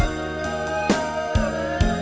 เปลี่ยนเพลงเก่งของคุณและข้ามผิดได้๑คำ